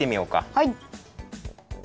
はい。